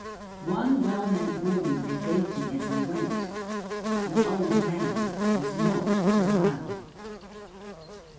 One well meant warning they gave me as I went the old man was not reliable.